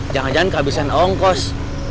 jangan jangan kehabisan ongkos